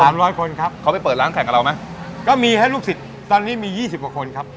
ร้อยคนครับเขาไปเปิดร้านแข่งกับเราไหมก็มีให้ลูกศิษย์ตอนนี้มียี่สิบกว่าคนครับ